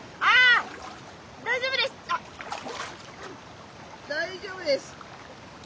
あっ大丈夫です。